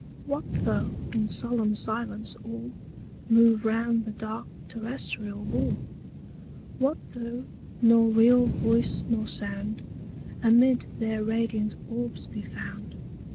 What though, in solemn Silence, all Move round the dark terrestrial Ball? What tho' nor real Voice nor Sound Amid their radiant Orbs be found?